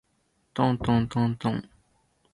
とんとんとんとん